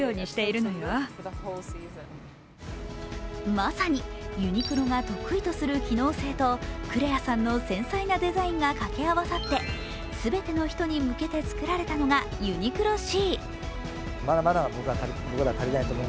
まさにユニクロが得意とする機能性とクレアさんの繊細なデザインが掛け合わさってすべての人に向けて作られたのがＵＮＩＱＬＯ：Ｃ。